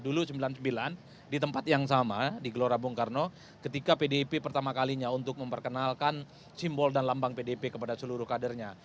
dulu sembilan puluh sembilan di tempat yang sama di gelora bung karno ketika pdip pertama kalinya untuk memperkenalkan simbol dan lambang pdp kepada seluruh kadernya